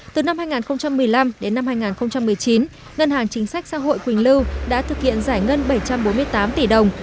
từ năm hai nghìn một mươi năm đến năm hai nghìn một mươi chín ngân hàng chính sách xã hội quỳnh lưu đã thực hiện giải ngân bảy trăm bốn mươi tám tỷ đồng